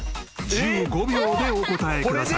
１５秒でお答えください］